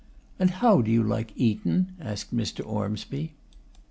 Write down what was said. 'And how do you like Eton?' asked Mr. Ormsby.